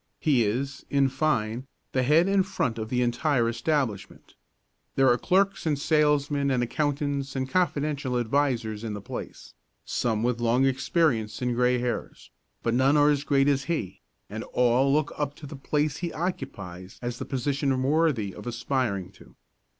He is, in fine, the head and front of the entire establishment. There are clerks and salesmen and accountants and confidential advisers in the place, some with long experience and grey hairs, but none are as great as he, and all look up to the place he occupies as a position worthy of aspiring to.